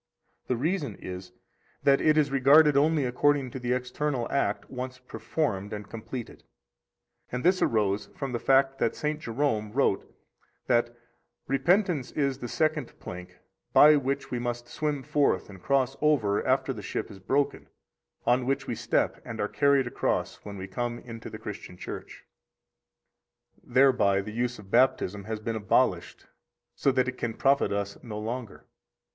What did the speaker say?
The reason is, that it is regarded only according to the external act once performed [and completed]. 81 And this arose from the fact that St. Jerome wrote that repentance is the second plank by which we must swim forth and cross over after the ship is broken, on which we step and are carried across when we come into the Christian Church. 82 Thereby the use of Baptism has been abolished so that it can profit us no longer.